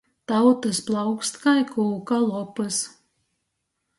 Tautys plaukst kai kūka lopys.